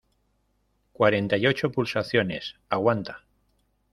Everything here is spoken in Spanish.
cuarenta y ocho pulsaciones. aguanta .